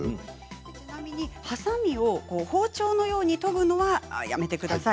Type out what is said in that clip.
ちなみにハサミを包丁のように研ぐのはやめてください。